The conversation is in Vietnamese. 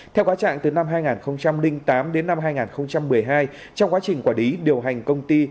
theo quá trạng từ năm hai nghìn tám đến năm hai nghìn một mươi hai trong quá trình quản lý điều hành công ty